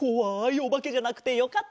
おばけじゃなくてよかった。